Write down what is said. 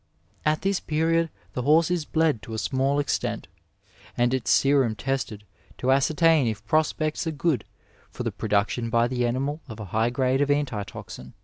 At this period the horse is bled to a small extent, and its serum tested to ascertain if prospects are good for the production by the animal of a high grade of antitoxin.